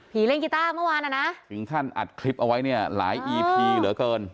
เล่นกีต้าเมื่อวานอ่ะนะถึงขั้นอัดคลิปเอาไว้เนี่ยหลายอีพีเหลือเกิน